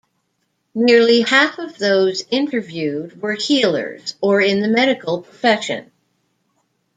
Nearly half of those interviewed were healers or in the medical profession.